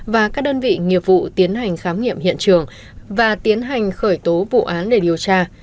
vì nghiệp vụ tiến hành khám nghiệm hiện trường và tiến hành khởi tố vụ án để điều tra